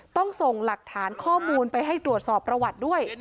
ต้องส่งหลักฐานข้อมูลไปให้ตรวจสอบประวัติด้วย